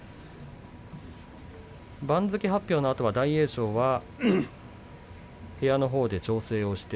番付発表のあと大栄翔は部屋のほうで調整をしました。